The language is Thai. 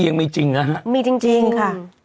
ยังมีจริงอะฮะมีจริงค่ะ